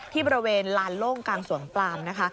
ที่บริเวณลานโล่งกลางสวนปลาม